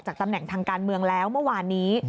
ตำแหน่งทางการเมืองแล้วเมื่อวานนี้